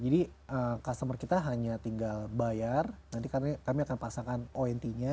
jadi customer kita hanya tinggal bayar nanti kami akan pasangkan ont nya